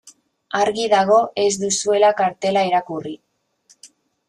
Argi dago ez duzuela kartela irakurri.